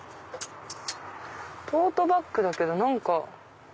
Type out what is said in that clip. トートバッグだけど何か。